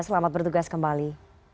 selamat bertugas kembali